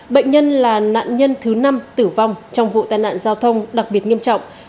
bệnh nhân là nạn nhân thứ năm tử vong trong vụ tai nạn giao thông đặc biệt nghiêm trọng